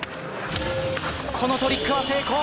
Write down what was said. このトリックは成功！